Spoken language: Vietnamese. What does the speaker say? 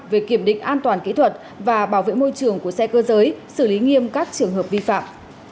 về kiểm định an toàn kỹ thuật và bảo vệ môi trường của xe cơ giới xử lý nghiêm các trường hợp vi phạm